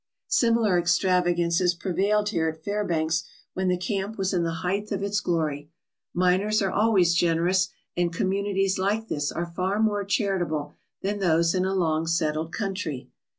" Similar extravagances prevailed here at Fairbanks when the camp was in the height of its glory. Miners are always generous and communities like this are far more charitable than those in a long settled country.